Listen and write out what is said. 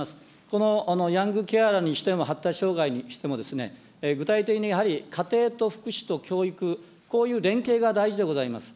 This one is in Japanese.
このヤングケアラーにしても、発達障害にしても、具体的にやはり家庭と福祉と教育、こういう連携が大事でございます。